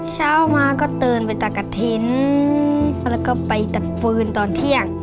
เช้ามาก็ตื่นไปตักกะถิ่นแล้วก็ไปตักฟืนตอนเที่ยง